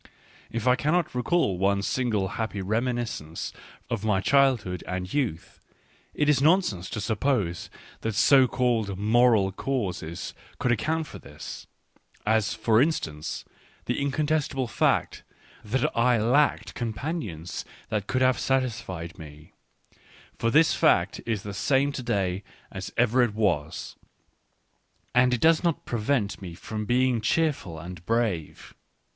If I cannot recall one single happy reminiscence of my childhood and youth, it is nonsense to suppose that so called " moral " causes could account for this — as, for instance, the incontestable fact that I lacked companions that could have satisfied me ; for this fact is the same to day as it ever was, and it does not prevent me from being cheerful and brave.